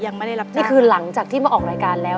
นี่คือหลังจากที่มาออกรายการแล้ว